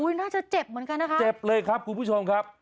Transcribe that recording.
น่าจะเจ็บเหมือนกันนะคะเจ็บเลยครับคุณผู้ชมครับ